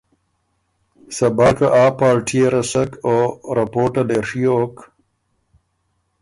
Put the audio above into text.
صبار که آ پالټيې رسک او رپورټه لې ڒیوک